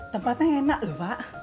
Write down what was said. tempatnya enak lho pak